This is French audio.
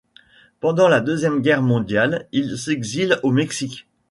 Pendant la deuxième Guerre mondiale il s'exile au Mexique.